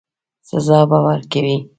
سزا به ورکوي.